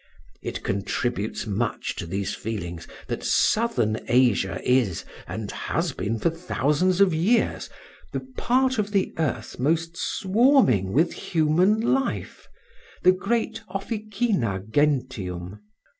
It contributes much to these feelings that southern Asia is, and has been for thousands of years, the part of the earth most swarming with human life, the great officina gentium.